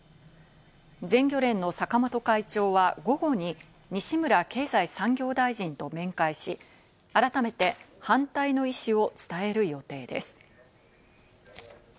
全漁連の坂本会長は午後に西村経済産業大臣と面会し、改めて反対の意思を伝える予定です。